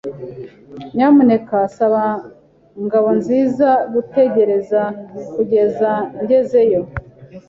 Nyamuneka saba Ngabonziza gutegereza kugeza ngezeyo.